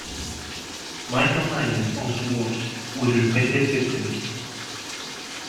Michael Nyman also worked with repetitive systems.